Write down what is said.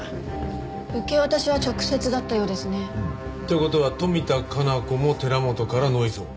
受け渡しは直接だったようですね。という事は富田加奈子も寺本からノイズを。